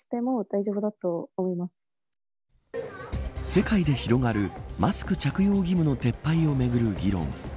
世界で広がるマスク着用義務の撤廃をめぐる議論。